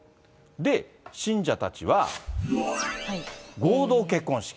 で、信者たちは合同結婚式。